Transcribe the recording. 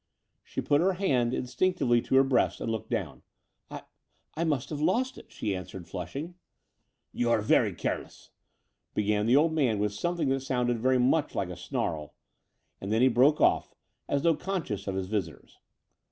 She put her hand instinctively to her breast and looked down. "I — I must have lost it," she answered flushing. "You are very careless," began the old man with something that sounded very much like a snarl; and then he broke off, as though conscious of his visitors.